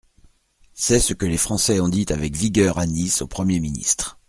C’est ce que les Français ont dit avec vigueur à Nice au Premier ministre.